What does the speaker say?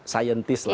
scientist lah ya